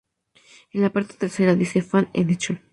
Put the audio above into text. En la parte trasera dice "Fan Edition".